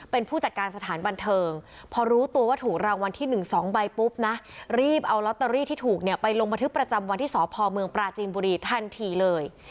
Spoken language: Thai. เป็นผู้จัดการสถานบันเทิงพอรู้ตัวว่าถูกรางวัลที่๑๒ใบปุ๊บนะรีบเอาลอตเตอรี่ที่ถูกเนี่ยไปลงบันทึกประจำวันที่สพเมืองปราจีนบุรีทันทีเลย